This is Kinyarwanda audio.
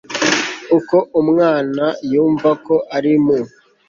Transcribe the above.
uko umwana yumvako ari mu